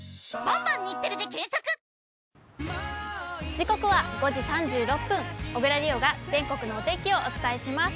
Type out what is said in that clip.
時刻は５時３６分、小椋梨央が全国のお天気をお伝えします。